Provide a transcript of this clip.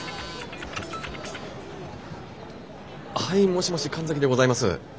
はいもしもし神崎でございます。